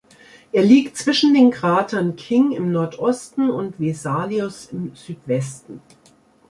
Er liegt zwischen den Kratern King im Nordosten und Vesalius im Südwesten.